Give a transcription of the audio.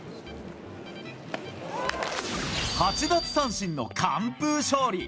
８奪三振の完封勝利。